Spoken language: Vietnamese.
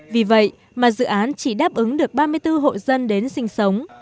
vì vậy mà dự án chỉ đáp ứng được ba mươi bốn hộ dân đến sinh sống